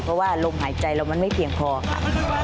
เพราะว่าลมหายใจเรามันไม่เพียงพอค่ะ